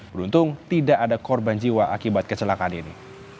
beruntung tidak ada korban jiwa akibat kecelakaan ini